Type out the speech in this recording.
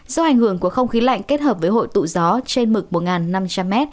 do ảnh hưởng của không khí lạnh kết hợp với hội tụ gió trên mực một năm trăm linh m